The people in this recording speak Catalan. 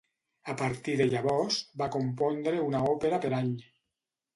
A partir de llavors, va compondre una òpera per any.